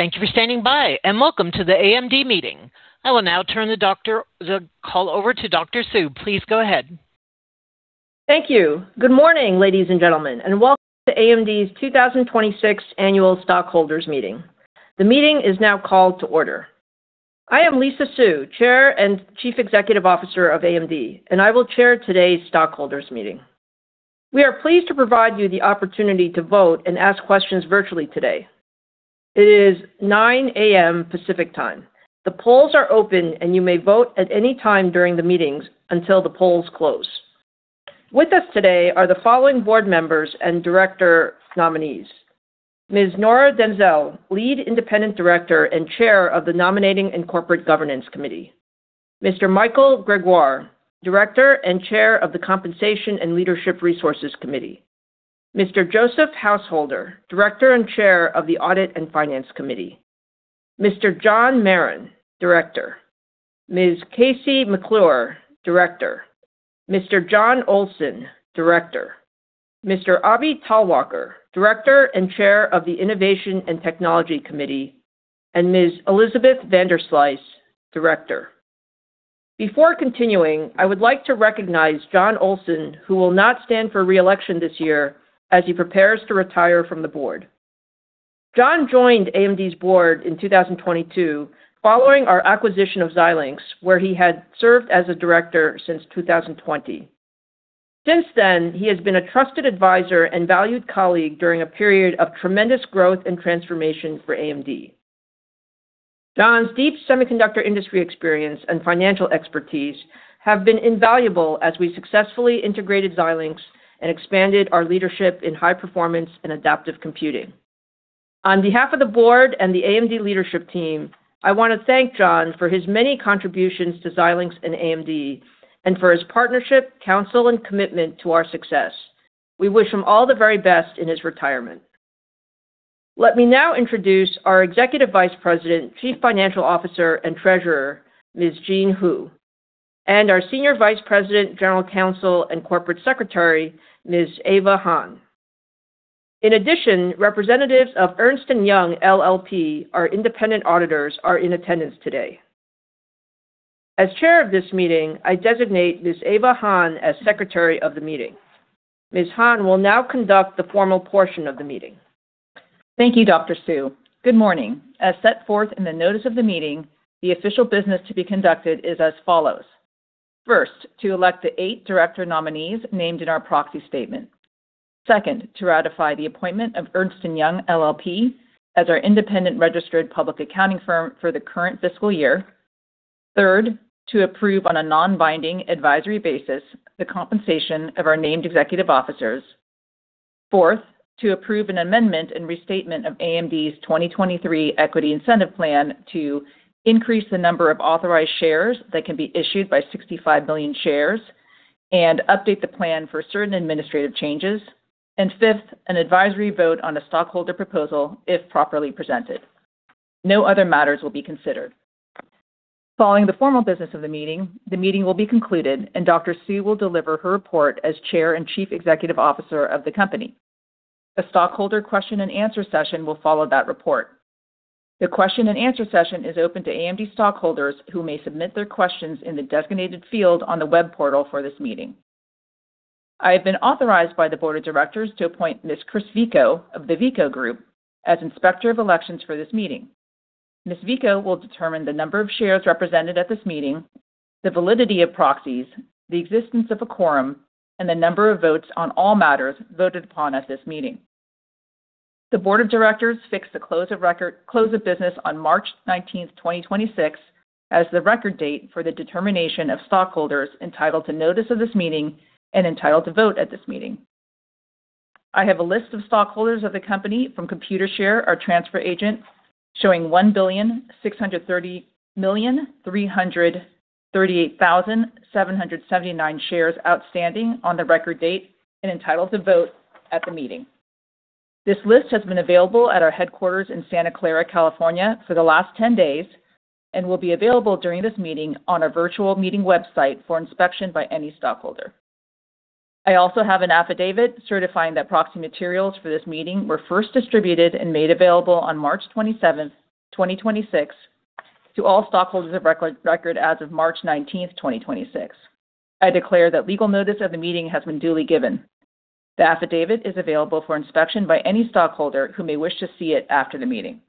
Thank you for standing by, and welcome to the AMD meeting. I will now turn the call over to Dr. Su. Please go ahead. Thank you. Good morning, ladies and gentlemen, and welcome to AMD's 2026 Annual Stockholders Meeting. The meeting is now called to order. I am Lisa Su, Chair and Chief Executive Officer of AMD, and I will chair today's stockholders meeting. We are pleased to provide you the opportunity to vote and ask questions virtually today. It is 9:00 A.M. Pacific Time. The polls are open, and you may vote at any time during the meetings until the polls close. With us today are the following board members and Director nominees: Ms. Nora M. Denzel, Lead Independent Director and Chair of the Nominating and Corporate Governance Committee; Mr. Michael Gregoire, Director and Chair of the Compensation and Leadership Resources Committee; Mr. Joseph Householder, Director and Chair of the Audit and Finance Committee; Mr. John Marren, Director; Ms. KC McClure, Director; Mr. Jon Olson, Director; Mr. Abhi Y. Talwalkar, Director and Chair of the Innovation and Technology Committee; and Ms. Elizabeth Vanderslice, Director. Before continuing, I would like to recognize Jon Olson, who will not stand for re-election this year as he prepares to retire from the board. Jon joined AMD's board in 2022 following our acquisition of Xilinx, where he had served as a Director since 2020. Since then, he has been a trusted advisor and valued colleague during a period of tremendous growth and transformation for AMD. Jon's deep semiconductor industry experience and financial expertise have been invaluable as we successfully integrated Xilinx and expanded our leadership in high-performance and adaptive computing. On behalf of the board and the AMD leadership team, I want to thank Jon for his many contributions to Xilinx and AMD and for his partnership, counsel, and commitment to our success. We wish him all the very best in his retirement. Let me now introduce our Executive Vice President, Chief Financial Officer, and Treasurer, Ms. Jean Hu, and our Senior Vice President, General Counsel, and Corporate Secretary, Ms. Ava Hahn. In addition, representatives of Ernst & Young LLP, our independent auditors, are in attendance today. As chair of this meeting, I designate Ms. Ava Hahn as Secretary of the Meeting. Ms. Hahn will now conduct the formal portion of the meeting. Thank you, Dr. Su. Good morning. As set forth in the notice of the meeting, the official business to be conducted is as follows. First, to elect the eight Director nominees named in our proxy statement. Second, to ratify the appointment of Ernst & Young LLP as our independent registered public accounting firm for the current fiscal year. Third, to approve on a non-binding advisory basis the compensation of our named Executive Officers. Fourth, to approve an amendment and restatement of AMD's 2023 equity incentive plan to increase the number of authorized shares that can be issued by 65 million shares and update the plan for certain administrative changes. Fifth, an advisory vote on a stockholder proposal if properly presented. No other matters will be considered. Following the formal business of the meeting, the meeting will be concluded, and Dr. Su will deliver her report as Chair and Chief Executive Officer of the company. The stockholder question and answer session will follow that report. The question and answer session is open to AMD stockholders who may submit their questions in the designated field on the web portal for this meeting. I have been authorized by the board of directors to appoint Ms. Chris Vico of the VICO Group as Inspector of Elections for this meeting. Ms. Vico will determine the number of shares represented at this meeting, the validity of proxies, the existence of a quorum, and the number of votes on all matters voted upon at this meeting. The Board of Directors fixed the close of business on March 19th, 2026, as the record date for the determination of stockholders entitled to notice of this meeting and entitled to vote at this meeting. I have a list of stockholders of the company from Computershare, our transfer agent, showing 1,630,338,779 shares outstanding on the record date and entitled to vote at the meeting. This list has been available at our headquarters in Santa Clara, California, for the last 10 days and will be available during this meeting on our virtual meeting website for inspection by any stockholder. I also have an affidavit certifying that proxy materials for this meeting were first distributed and made available on March 27th, 2026, to all stockholders of record as of March 19th, 2026. I declare that legal notice of the meeting has been duly given. The affidavit is available for inspection by any stockholder who may wish to see it after the meeting.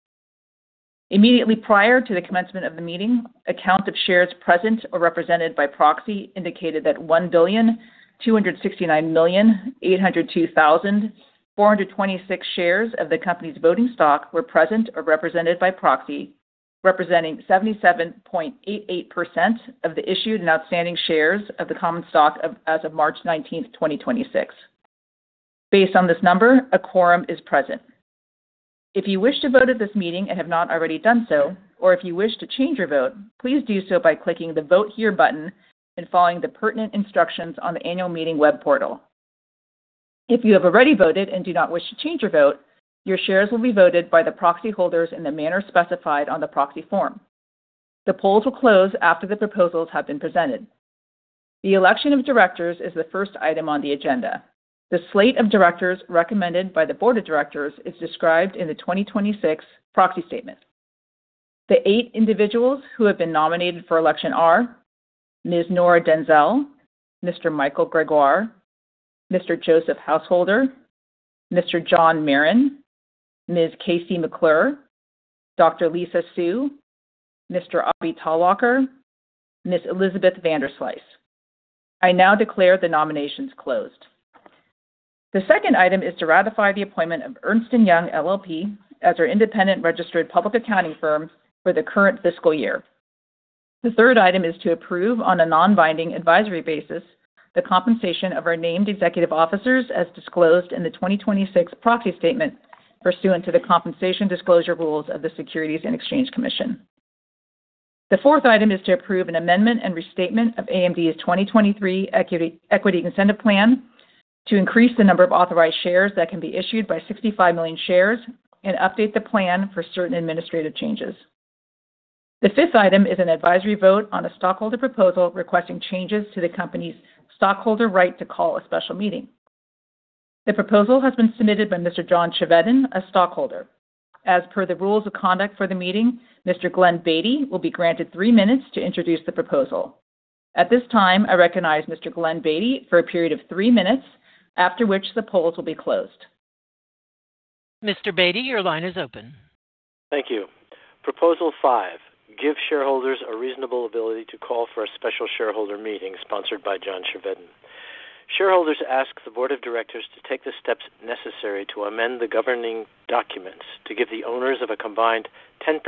Immediately prior to the commencement of the meeting, a count of shares present or represented by proxy indicated that 1,269,802,426 shares of the company's voting stock were present or represented by proxy, representing 77.88% of the issued and outstanding shares of the common stock of, as of March 19th, 2026. Based on this number, a quorum is present. If you wish to vote at this meeting and have not already done so, or if you wish to change your vote, please do so by clicking the Vote Here button and following the pertinent instructions on the annual meeting web portal. If you have already voted and do not wish to change your vote, your shares will be voted by the proxy holders in the manner specified on the proxy form. The polls will close after the proposals have been presented. The election of Directors is the first item on the agenda. The slate of Directors recommended by the board of directors is described in the 2026 proxy statement. The eight individuals who have been nominated for election are Ms. Nora Denzel, Mr. Michael Gregoire, Mr. Joseph Householder, Mr. John Marren, Ms. KC McClure, Dr. Lisa Su, Mr. Abhi Talwalkar, and Ms. Elizabeth Vanderslice. I now declare the nominations closed. The second item is to ratify the appointment of Ernst & Young LLP as our independent registered public accounting firm for the current fiscal year. The third item is to approve, on a non-binding advisory basis, the compensation of our named Executive Officers as disclosed in the 2026 proxy statement pursuant to the compensation disclosure rules of the Securities and Exchange Commission. The fourth item is to approve an amendment and restatement of AMD's 2023 equity incentive plan to increase the number of authorized shares that can be issued by 65 million shares and update the plan for certain administrative changes. The fifth item is an advisory vote on a stockholder proposal requesting changes to the company's stockholder right to call a special meeting. The proposal has been submitted by Mr. John Chevedden, a stockholder. As per the rules of conduct for the meeting, Mr. Glenn Beatty will be granted three minutes to introduce the proposal. At this time, I recognize Mr. Glenn Beatty for a period of three minutes, after which the polls will be closed. Mr. Beatty, your line is open. Thank you. Proposal 5: Give shareholders a reasonable ability to call for a special shareholder meeting, sponsored by John Chevedden. Shareholders ask the board of directors to take the steps necessary to amend the governing documents to give the owners of a combined 10%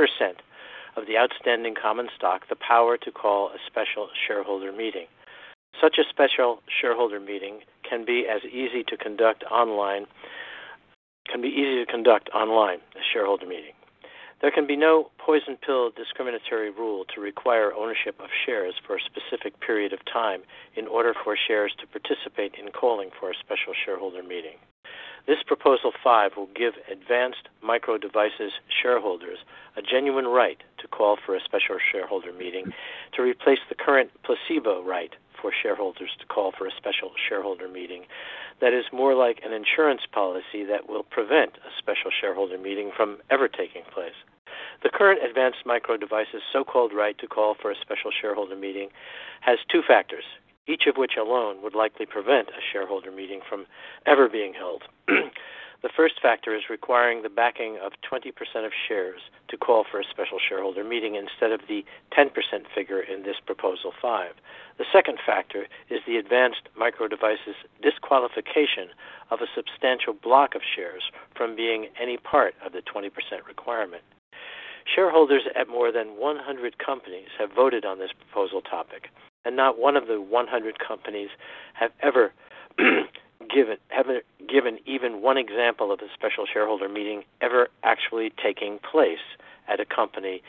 of the outstanding common stock the power to call a special shareholder meeting. Such a special shareholder meeting can be easy to conduct online a shareholder meeting. There can be no poison pill discriminatory rule to require ownership of shares for a specific period of time in order for shares to participate in calling for a special shareholder meeting. This Proposal 5 will give Advanced Micro Devices shareholders a genuine right to call for a special shareholder meeting to replace the current placebo right for shareholders to call for a special shareholder meeting, that is more like an insurance policy that will prevent a special shareholder meeting from ever taking place. The current Advanced Micro Devices so-called right to call for a special shareholder meeting has two factors, each of which alone would likely prevent a shareholder meeting from ever being held. The first factor requires the backing of 20% of shares to call for a special shareholder meeting instead of the 10% figure in this Proposal 5. The second factor is the Advanced Micro Devices disqualification of a substantial block of shares from being any part of the 20% requirement. Shareholders at more than 100 companies have voted on this proposal topic. Not one of the 100 companies have ever given one example of a special shareholder meeting ever actually taking place at a company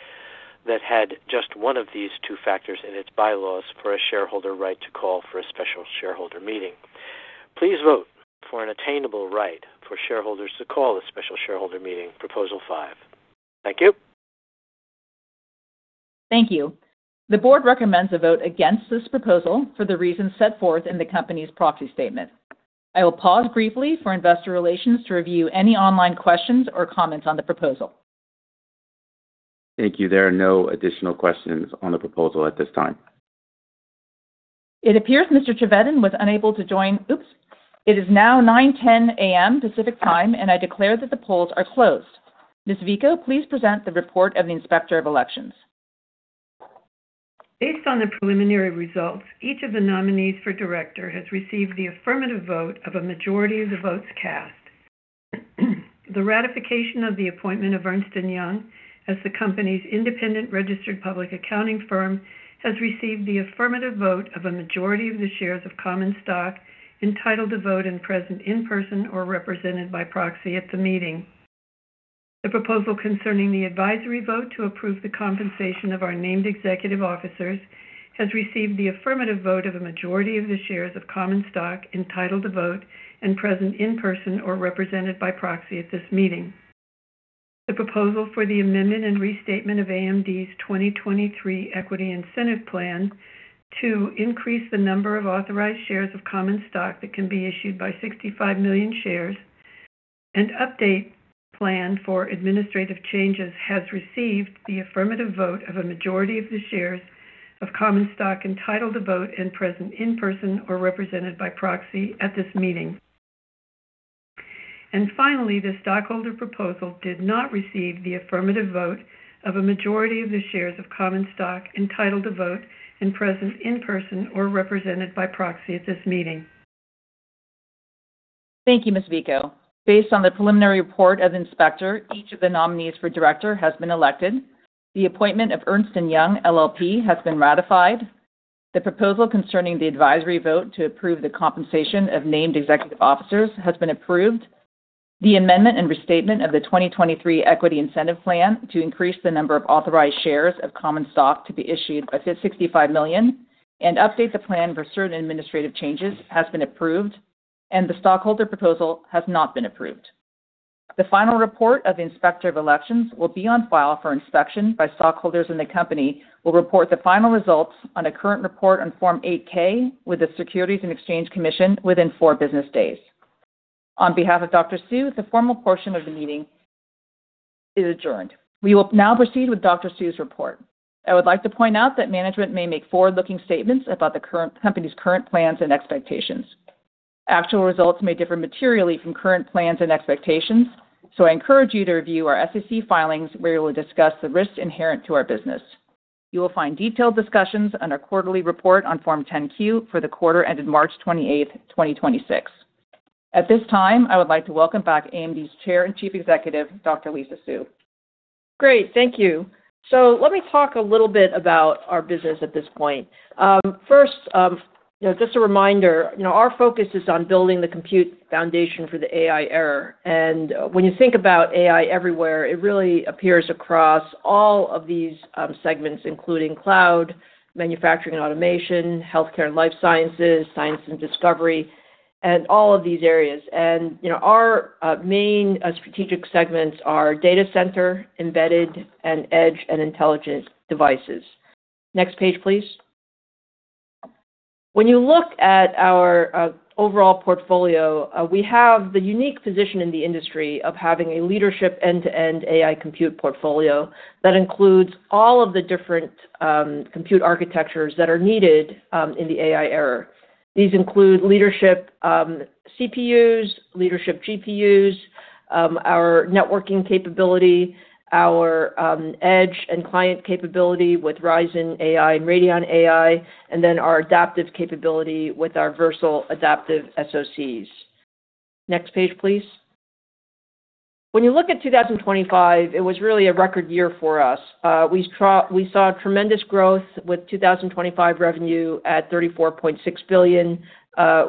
that had just one of these two factors in its bylaws for a shareholder right to call for a special shareholder meeting. Please vote for an attainable right for shareholders to call a special shareholder meeting, Proposal 5. Thank you. Thank you. The board recommends a vote against this proposal for the reasons set forth in the company's proxy statement. I will pause briefly for investor relations to review any online questions or comments on the proposal. Thank you. There are no additional questions on the proposal at this time. It appears Mr. Chevedden was unable to join. Oops. It is now 9:10 A.M. Pacific Time, and I declare that the polls are closed. Ms. Vico, please present the report of the Inspector of Elections. Based on the preliminary results, each of the nominees for Director has received the affirmative vote of a majority of the votes cast. The ratification of the appointment of Ernst & Young as the company's independent registered public accounting firm has received the affirmative vote of a majority of the shares of common stock entitled to vote and present in person or represented by proxy at the meeting. The proposal concerning the advisory vote to approve the compensation of our named executive officers has received the affirmative vote of a majority of the shares of common stock entitled to vote and present in person or represented by proxy at this meeting. The proposal for the amendment and restatement of AMD's 2023 equity incentive plan to increase the number of authorized shares of common stock that can be issued by 65 million shares and update plan for administrative changes has received the affirmative vote of a majority of the shares of common stock entitled to vote and present in person or represented by proxy at this meeting. Finally, the stockholder proposal did not receive the affirmative vote of a majority of the shares of common stock entitled to vote and present in person or represented by proxy at this meeting. Thank you, Ms. Vico. Based on the preliminary report of Inspector, each of the nominees for Director has been elected. The appointment of Ernst & Young LLP has been ratified. The proposal concerning the advisory vote to approve the compensation of named Executive Officers has been approved. The amendment and restatement of the 2023 equity incentive plan to increase the number of authorized shares of common stock to be issued by 65 million and update the plan for certain administrative changes has been approved, and the stockholder proposal has not been approved. The final report of the Inspector of Elections will be on file for inspection by stockholders, and the company will report the final results on a current report on Form 8-K with the Securities and Exchange Commission within four business days. On behalf of Dr. Su, the formal portion of the meeting is adjourned. We will now proceed with Dr. Su's report. I would like to point out that management may make forward-looking statements about the company's current plans and expectations. Actual results may differ materially from current plans and expectations. I encourage you to review our SEC filings, where we will discuss the risks inherent to our business. You will find detailed discussions on our quarterly report on Form 10-Q for the quarter ended March 28th, 2026. At this time, I would like to welcome back AMD's Chair and Chief Executive, Dr. Lisa Su. Great. Thank you. Let me talk a little bit about our business at this point. First, you know, just a reminder, you know, our focus is on building the compute foundation for the AI era. When you think about AI everywhere, it really appears across all of these segments, including cloud, manufacturing and automation, healthcare and life sciences, science and discovery, and all of these areas. You know, our main strategic segments are data center, embedded, and edge, and intelligence devices. Next page, please. When you look at our overall portfolio, we have the unique position in the industry of having a leadership end-to-end AI compute portfolio that includes all of the different compute architectures that are needed in the AI era. These include leadership CPUs, leadership GPUs, our networking capability, our edge and client capability with Ryzen AI and Radeon AI, and then our adaptive capability with our Versal adaptive SoCs. Next page, please. When you look at 2025, it was really a record year for us. We saw tremendous growth with 2025 revenue at $34.6 billion.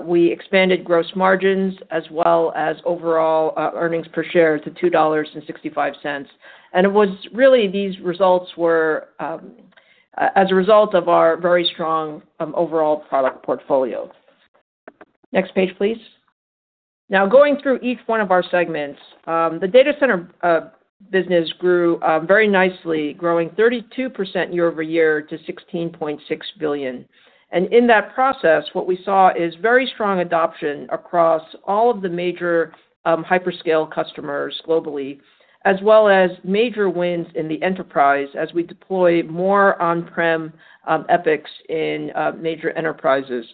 We expanded gross margins as well as overall earnings per share to $2.65. It was really these results were as a result of our very strong overall product portfolio. Next page, please. Now, going through each one of our segments, the data center business grew very nicely, growing 32% year-over-year to $16.6 billion. In that process, what we saw is very strong adoption across all of the major hyperscale customers globally, as well as major wins in the enterprise as we deploy more on-prem EPYCs in major enterprises.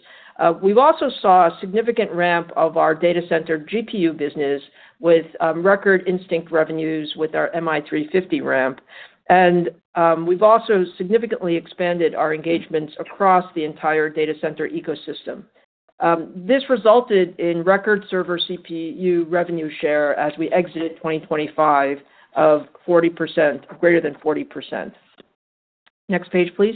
We also saw a significant ramp of our data center GPU business with record Instinct revenues with our MI350 ramp. We've also significantly expanded our engagements across the entire data center ecosystem. This resulted in a record server CPU revenue share as we exited 2025 of 40%, greater than 40%. Next page, please.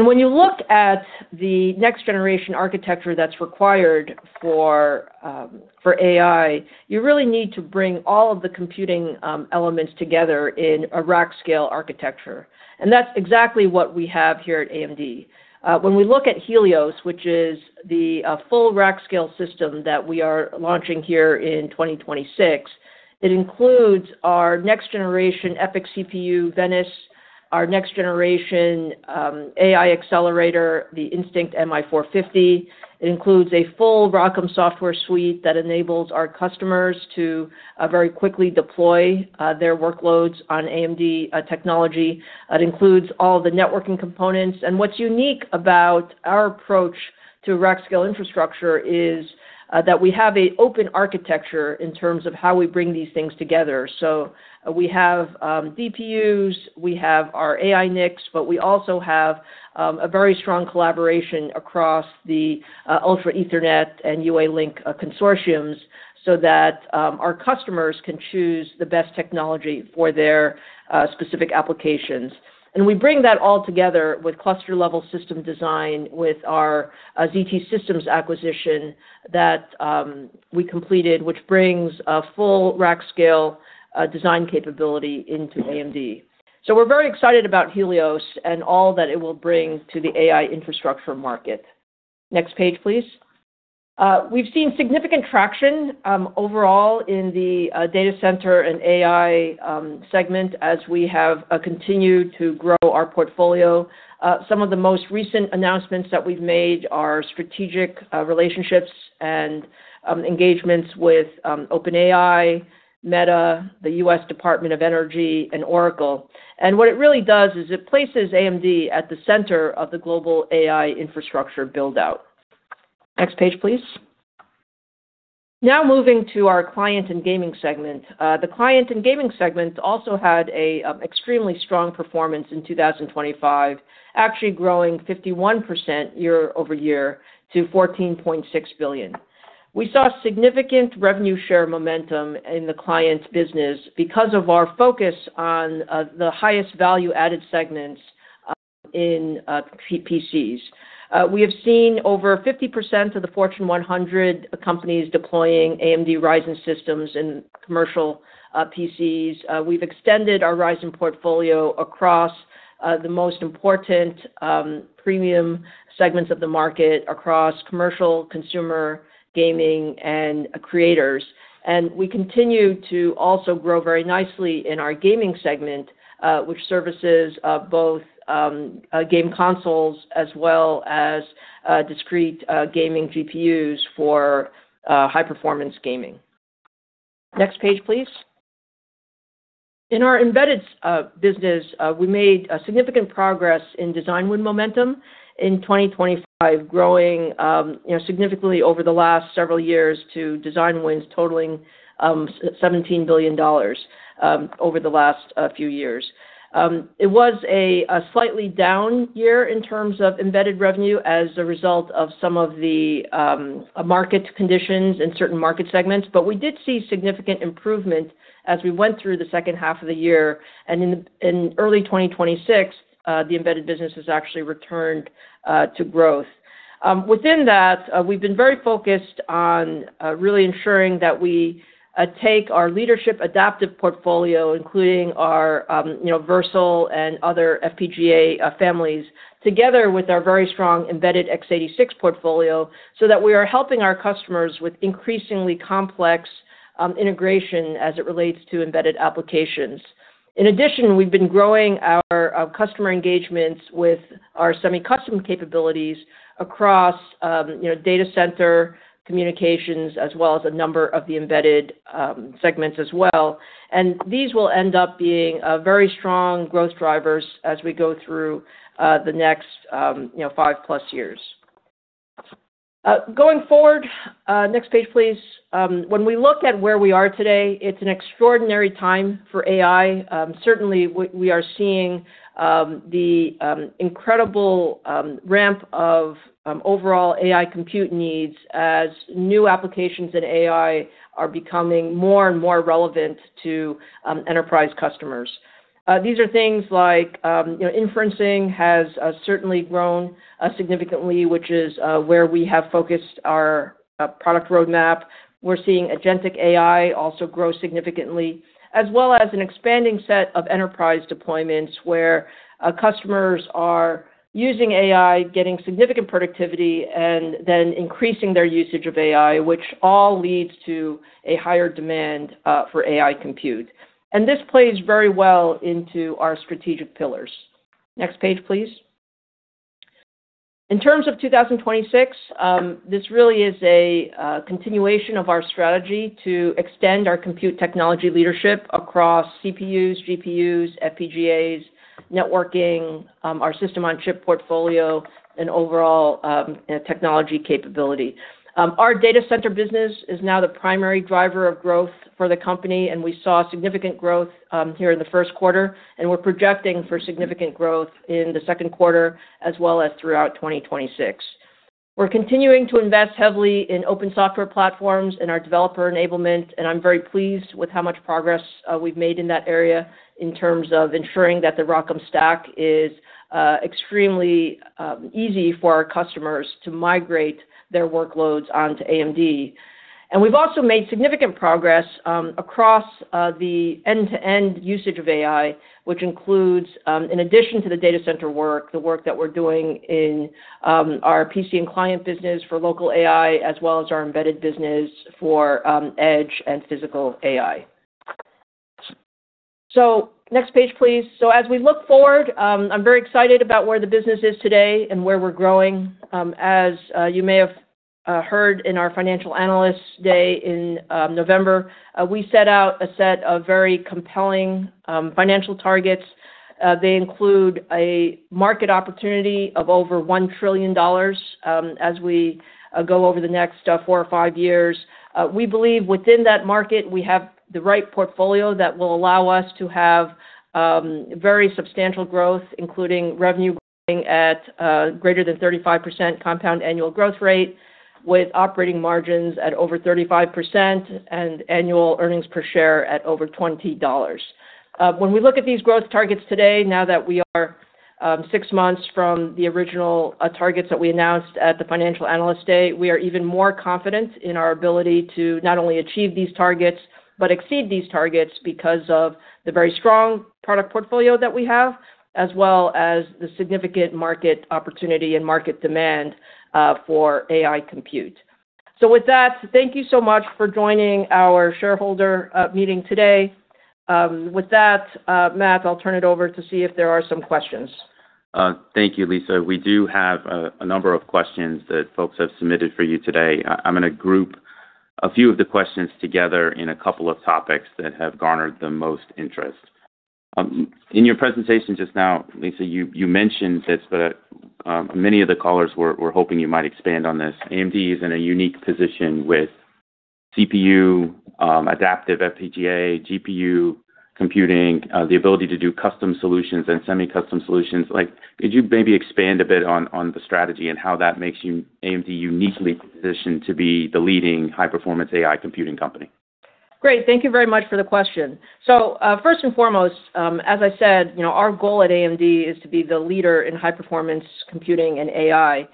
When you look at the next-generation architecture that's required for AI, you really need to bring all of the computing elements together in a rack-scale architecture. That's exactly what we have here at AMD. When we look at Helios, which is the full rack-scale system that we are launching here in 2026, it includes our next-generation EPYC CPU, Venice, our next-generation AI accelerator, the Instinct MI450. It includes a full ROCm software suite that enables our customers to very quickly deploy their workloads on AMD technology. It includes all the networking components. What's unique about our approach to rack-scale infrastructure is that we have an open architecture in terms of how we bring these things together. We have DPUs, we have our AI NICs, but we also have a very strong collaboration across the Ultra Ethernet and UALink Consortiums so that our customers can choose the best technology for their specific applications. We bring that all together with cluster-level system design with our ZT Systems acquisition that we completed, which brings a full rack-scale design capability into AMD. We're very excited about Helios and all that it will bring to the AI infrastructure market. Next page, please. We've seen significant traction overall in the data center and AI segment as we have continued to grow our portfolio. Some of the most recent announcements that we've made are strategic relationships and engagements with OpenAI, Meta, the U.S. Department of Energy, and Oracle. What it really does is it places AMD at the center of the global AI infrastructure build-out. Next page, please. Now moving to our client and gaming segment. The client and gaming segment also had an extremely strong performance in 2025, actually growing 51% year over year to $14.6 billion. We saw significant revenue share momentum in the client's business because of our focus on the highest value-added segments in PCs. We have seen over 50% of the Fortune 100 companies deploying AMD Ryzen systems in commercial PCs. We've extended our Ryzen portfolio across the most important premium segments of the market across commercial, consumer, gaming, and creators. We continue to also grow very nicely in our gaming segment, which services both game consoles as well as discrete gaming GPUs for high-performance gaming. Next page, please. In our Embedded business, we made significant progress in design win momentum in 2025, growing, you know, significantly over the last several years to design wins totaling $17 billion over the last few years. It was a slightly down year in terms of Embedded revenue as a result of some of the market conditions in certain market segments. We did see significant improvement as we went through the second half of the year. In early 2026, the Embedded business has actually returned to growth. Within that, we've been very focused on really ensuring that we take our leadership adaptive portfolio, including our, you know, Versal and other FPGA families, together with our very strong embedded x86 portfolio, so that we are helping our customers with increasingly complex integration as it relates to embedded applications. In addition, we've been growing our customer engagements with our semi-custom capabilities across, you know, data center communications, as well as a number of the embedded segments as well. These will end up being very strong growth drivers as we go through the next, you know, 5+ years. Going forward, next page, please. When we look at where we are today, it's an extraordinary time for AI. Certainly, we are seeing the incredible ramp of overall AI compute needs as new applications in AI are becoming more and more relevant to enterprise customers. These are things like, you know, inferencing has certainly grown significantly, which is where we have focused our product roadmap. We're seeing agentic AI also grow significantly, as well as an expanding set of enterprise deployments where customers are using AI, getting significant productivity, and then increasing their usage of AI, which all leads to a higher demand for AI compute. This plays very well into our strategic pillars. Next page, please. In terms of 2026, this really is a continuation of our strategy to extend our compute technology leadership across CPUs, GPUs, FPGAs, networking, our system-on-chip portfolio, and overall technology capability. Our data center business is now the primary driver of growth for the company, and we saw significant growth here in the first quarter. We're projecting for significant growth in the second quarter as well as throughout 2026. We're continuing to invest heavily in open software platforms, and our developer enablement, and I'm very pleased with how much progress we've made in that area in terms of ensuring that the ROCm stack is extremely easy for our customers to migrate their workloads onto AMD. We've also made significant progress across the end-to-end usage of AI, which includes, in addition to the data center work, the work that we're doing in our PC and client business for local AI, as well as our embedded business for edge and physical AI. Next page, please. As we look forward, I'm very excited about where the business is today and where we're growing. As you may have heard in our Financial Analysts Day in November, we set out a set of very compelling financial targets. They include a market opportunity of over $1 trillion, as we go over the next four or five years. We believe within that market, we have the right portfolio that will allow us to have very substantial growth, including revenue growing at a greater than 35% compound annual growth rate, with operating margins at over 35%, and annual earnings per share at over $20. When we look at these growth targets today, now that we are six months from the original targets that we announced at the Financial Analyst Day, we are even more confident in our ability to not only achieve these targets but exceed these targets because of the very strong product portfolio that we have, as well as the significant market opportunity and market demand for AI compute. With that, thank you so much for joining our shareholder meeting today. With that, Matt, I'll turn it over to see if there are some questions. Thank you, Lisa Su. We do have a number of questions that folks have submitted for you today. I'm gonna group a few of the questions together in a couple of topics that have garnered the most interest. In your presentation just now, Lisa, you mentioned this, but many of the callers were hoping you might expand on this. AMD is in a unique position with CPU, adaptive FPGA, GPU computing, the ability to do custom solutions, and semi-custom solutions. Like, could you maybe expand a bit on the strategy and how that makes AMD uniquely positioned to be the leading high-performance AI computing company? Great. Thank you very much for the question. First and foremost, as I said, you know, our goal at AMD is to be the leader in high-performance computing and AI.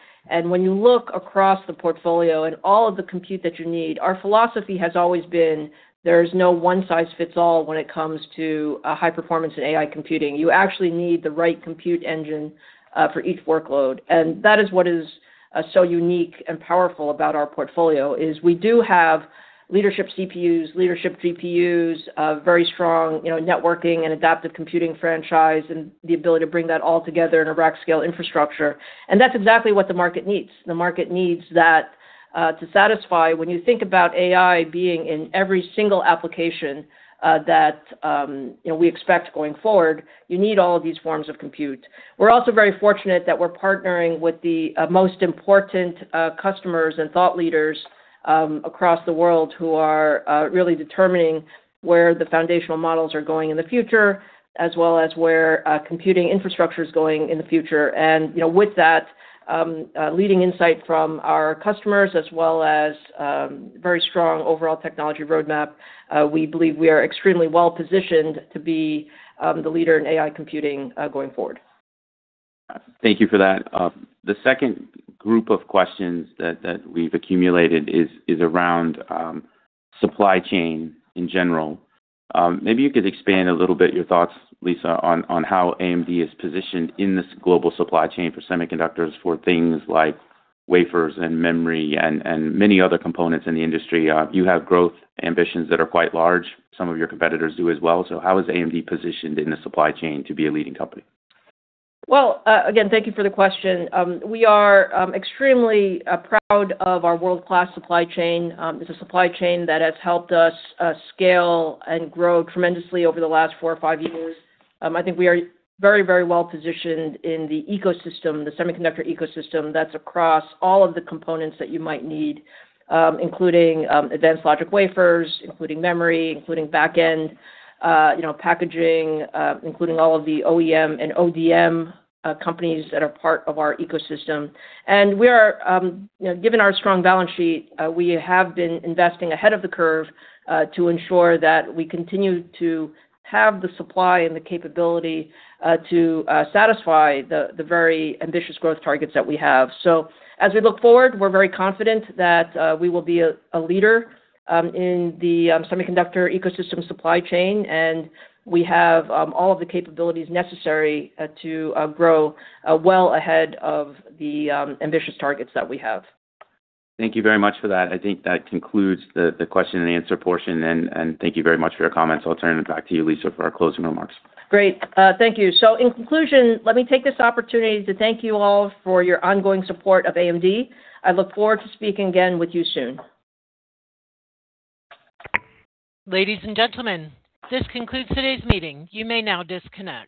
When you look across the portfolio, and all of the compute that you need, our philosophy has always been there's no one-size-fits-all when it comes to high performance and AI computing. You actually need the right compute engine for each workload. That is what is so unique and powerful about our portfolio, is we do have leadership CPUs, leadership GPUs, very strong, you know, networking and adaptive computing franchise, and the ability to bring that all together in a rack-scale infrastructure. That's exactly what the market needs. The market needs that to satisfy. When you think about AI being in every single application, that, you know, we expect going forward, you need all of these forms of compute. We're also very fortunate that we're partnering with the most important customers and thought leaders across the world who are really determining where the foundational models are going in the future, as well as where computing infrastructure is going in the future. You know, with that leading insight from our customers as well as a very strong overall technology roadmap, we believe we are extremely well-positioned to be the leader in AI computing going forward. Thank you for that. The second group of questions that we've accumulated is around the supply chain in general. Maybe you could expand a little bit on your thoughts, Lisa, on how AMD is positioned in this global supply chain for semiconductors for things like wafers, and memory, and many other components in the industry. You have growth ambitions that are quite large. Some of your competitors do as well. How is AMD positioned in the supply chain to be a leading company? Again, thank you for the question. We are extremely proud of our world-class supply chain. It's a supply chain that has helped us scale and grow tremendously over the last four or five years. I think we are very, very well-positioned in the ecosystem, the semiconductor ecosystem that's across all of the components that you might need, including advanced logic wafers, including memory, including back-end, you know, packaging, including all of the OEM and ODM companies that are part of our ecosystem. We are, you know, given our strong balance sheet, we have been investing ahead of the curve to ensure that we continue to have the supply and the capability to satisfy the very ambitious growth targets that we have. As we look forward, we're very confident that we will be a leader in the semiconductor ecosystem supply chain, and we have all of the capabilities necessary to grow well ahead of the ambitious targets that we have. Thank you very much for that. I think that concludes the question-and-answer portion, and thank you very much for your comments. I'll turn it back to you, Lisa, for our closing remarks. Great. Thank you. In conclusion, let me take this opportunity to thank you all for your ongoing support of AMD. I look forward to speaking with you again soon. Ladies and gentlemen, this concludes today's meeting. You may now disconnect.